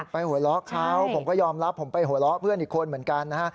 หัวเราะเขาผมก็ยอมรับผมไปหัวเราะเพื่อนอีกคนเหมือนกันนะฮะ